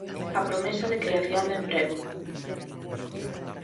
A promesa de creación de emprego.